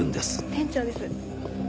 店長です。